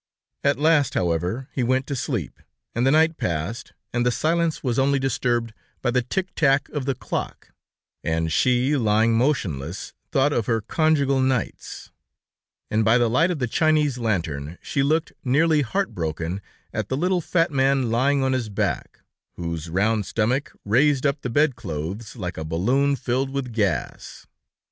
At last, however, he went to sleep, and the night passed, and the silence was only disturbed by the tick tack of the clock, and she, lying motionless, thought of her conjugal nights; and by the light of the Chinese lantern, she looked, nearly heart broken, at the little fat man lying on his back, whose round stomach raised up the bed clothes like a balloon filled with gas.